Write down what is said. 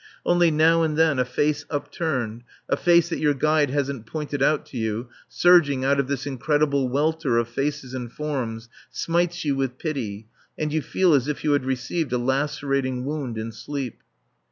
Only now and then a face upturned (a face that your guide hasn't pointed out to you) surging out of this incredible welter of faces and forms, smites you with pity, and you feel as if you had received a lacerating wound in sleep.